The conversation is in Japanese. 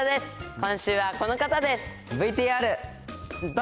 今週はこの方です。